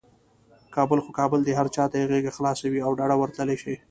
کابل خو کابل دی، هر چاته یې غیږه خلاصه وي او ډاده ورتللی شي.